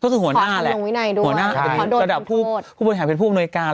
ก็คือสอบทางโรงวินัยด้วยหัวหน้าสำหรับผู้บัญชาเป็นผู้บังคับบัญชา